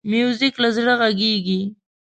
موزیک له زړه غږېږي.